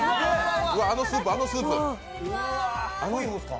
あのスープ、あのスープ！